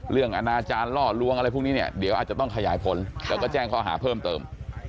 อนาจารย์ล่อลวงอะไรพวกนี้เนี่ยเดี๋ยวอาจจะต้องขยายผลแล้วก็แจ้งข้อหาเพิ่มเติม